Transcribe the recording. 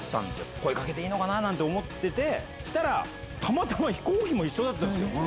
声かけていいのかな？なんて思ってて、そしたら、たまたま飛行機も一緒だったんですよ。